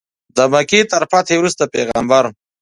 د مکې تر فتحې وروسته پیغمبر.